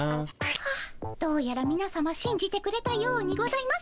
ホッどうやらみなさましんじてくれたようにございます。